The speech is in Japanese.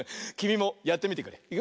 きみもやってみてくれ。